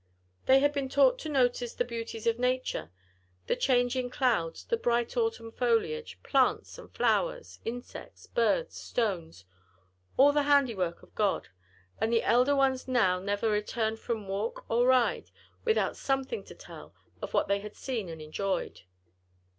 They had been taught to notice the beauties of nature the changing clouds, the bright autumn foliage, plants and flowers, insects, birds, stones; all the handiwork of God; and the elder ones now never returned from walk or ride without something to tell of what they had seen and enjoyed.